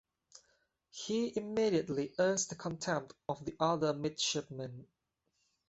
He immediately earns the contempt of the other midshipmen.